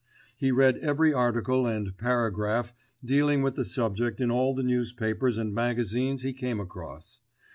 He read every article and paragraph dealing with the subject in all the newspapers and magazines he came across.